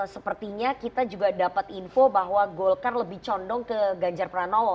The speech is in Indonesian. sepertinya kita juga dapat info bahwa golkar lebih condong ke ganjar pranowo